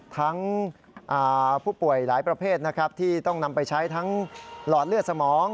ทั้งผู้ป่วยหลายประเภทนะครับที่ต้องนำไปใช้ทั้งหลอดเลือดสมอง